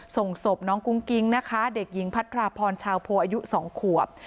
ส่งศพน้องกุ้งกิ๊งนะคะเด็กหญิงพัทราพรชาวโพอายุ๒ขวบ